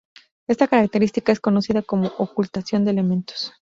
Esta característica es conocida como ocultación de elementos.